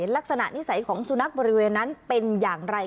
ลักษณะนิสัยของสุนัขบริเวณนั้นเป็นอย่างไร